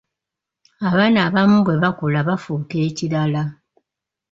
Abaana abamu bwe bakula bafuuka ekilala.